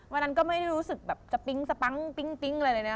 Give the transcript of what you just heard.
วันนั้นก็ไม่ได้รู้สึกแบบจะปิ๊งสปั๊งปิ๊งอะไรเลยนะ